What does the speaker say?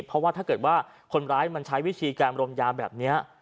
เพราะว่าถ้าเกิดว่าคนร้ายมันใช้วิธีการรมยาแบบนี้